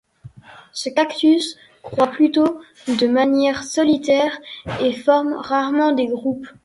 Ce cactus croît plutôt de manière solitaire et forme rarement des groupes.